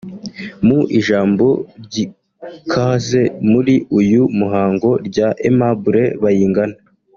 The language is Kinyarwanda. Mu ijambo ry’ikaze muri uyu muhango rya Aimable Bayingana